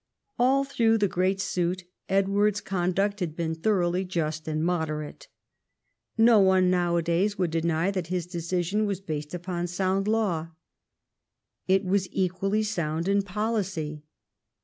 All through the great suit Edward's conduct had been thoroughly just and moderate. No one nowadays would deny that his decision was based upon sound law. It was equally sound in policy.